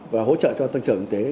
và hỗ trợ cho tăng trưởng kinh tế